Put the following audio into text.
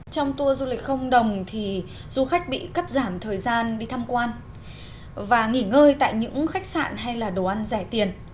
trong tour du lịch không đồng thì du khách bị cắt giảm thời gian đi tham quan và nghỉ ngơi tại những khách sạn hay là đồ ăn rẻ tiền